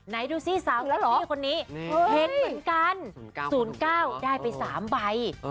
ไหนดูสิสาวลอตเตอรี่คนนี้เห็นเหมือนกัน๐๙ได้ไป๓ใบ